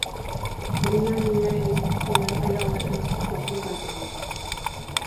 مىليون يىللار يېزىپ پۈتمىگەن، ئاياغلاشماس ئۇزۇن داستانغا.